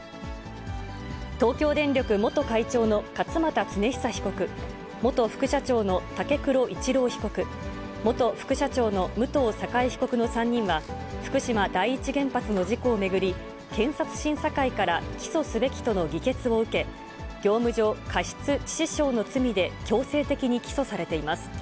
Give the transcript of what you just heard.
東京電力元会長の勝俣恒久被告、元副社長の武黒一郎被告、元副社長の武藤栄被告の３人は、福島第一原発の事故を巡り、検察審査会から起訴すべきとの議決を受け、業務上過失致死傷の罪で強制的に起訴されています。